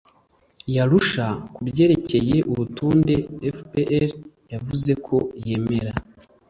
y arusha ku byerekeye urutonde fpr yavuze ko yemera